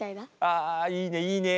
あいいねいいね。